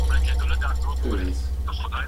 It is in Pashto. چي ما دي په تیاره کي تصویرونه وي پېیلي